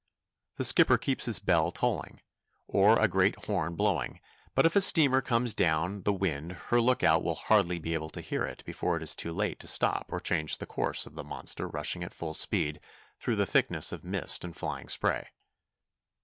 The skipper keeps his bell tolling, or a great horn blowing, but if a steamer comes down the wind her lookout will hardly be able to hear it before it is too late to stop or change the course of the monster rushing at full speed through the thickness of mist and flying spray.